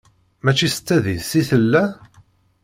Mačci s tadist i tella?